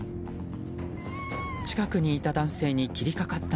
近くにいた男性に切りかかった